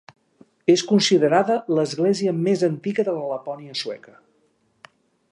És considerada l'església més antiga de la Lapònia sueca.